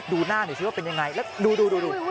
ดูหน้าหน่อยสิว่าเป็นยังไงแล้วดูดู